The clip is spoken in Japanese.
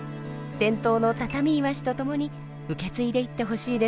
伝統のたたみいわしとともに受け継いでいってほしいですね。